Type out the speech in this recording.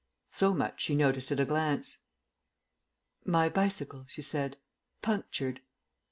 So much she noticed at a glance. "My bicycle," she said; "punctured."